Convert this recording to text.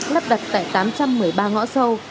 lắp đặt tại tám trăm một mươi ba ngõ sâu